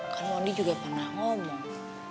karena mondi juga pernah ngomong